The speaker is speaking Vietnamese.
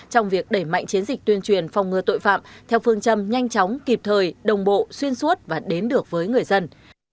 trong việc đẩy mạnh chiến dịch tuyên truyền phòng ngừa tội phạm theo phương châm nhanh chóng kịp thời đồng bộ xuyên suốt và đến được với người dân